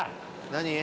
何？